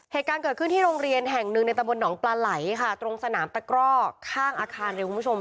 เหตุการณ์เกิดขึ้นที่โรงเรียนแห่งหนึ่งในตะบนหนองปลาไหลค่ะตรงสนามตะกร่อข้างอาคารเลยคุณผู้ชม